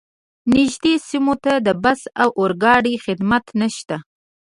نږدې سیمو ته د بس او اورګاډي خدمات نشته